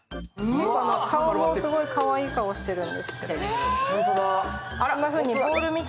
顔もすごいかわいい顔してるんですけど。